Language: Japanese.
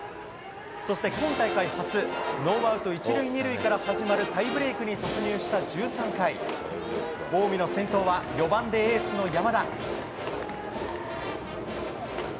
そして今大会初ノーアウト１塁２塁から始まるタイブレークに突入した１３回近江の先頭は４番でエースの山田。